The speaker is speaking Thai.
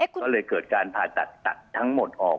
ก็เลยเกิดการผ่าตัดตัดทั้งหมดออก